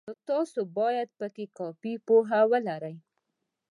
نو تاسې باید پکې کافي پوهه ولرئ.